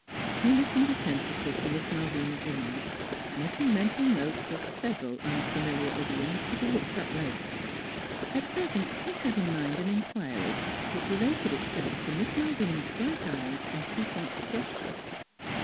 He lis tened attentively to Miss Malvina's remarks, making mental notes of several unfamiliar idi oms to be looked up later. At present he had in mind an inquiry, which related itself to Miss Malvina's bright eyes and piquant gestures.